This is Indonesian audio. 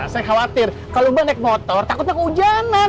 saya khawatir kalau mba naik motor takutnya keujanan